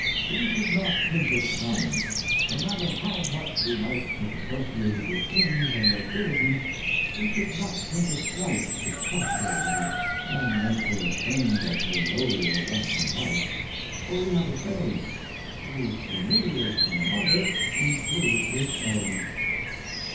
] We should not think it kind. No matter how much we might have associated with kings and nobilities, we should not think it right to crush her with it and make her ashamed of her lowlier walk in life; for we have a saying, "Who humiliates my mother includes his own."